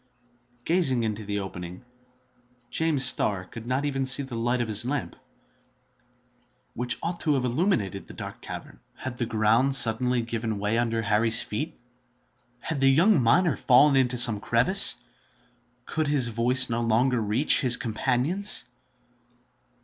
Gazing into the opening, James Starr could not even see the light of his lamp, which ought to have illuminated the dark cavern. Had the ground suddenly given way under Harry's feet? Had the young miner fallen into some crevice? Could his voice no longer reach his companions?